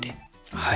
はい。